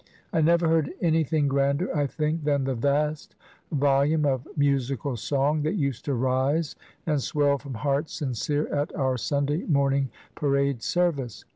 I never heard anything grander, I think, than the vast volume of musical song that used to rise and swell from hearts sincere at our Sunday morning parade service.